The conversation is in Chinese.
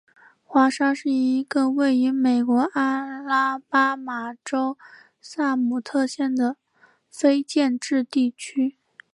华沙是一个位于美国阿拉巴马州萨姆特县的非建制地区。